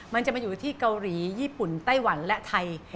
มันจะมาอยู่ที่เกาหลีญี่ปุ่นไต้หวันและไทย